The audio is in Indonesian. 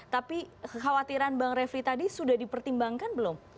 tapi kekhawatiran bang refli tadi sudah dipertimbangkan belum